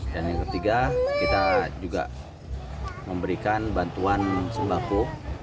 dan yang ketiga kita juga memberikan bantuan sembako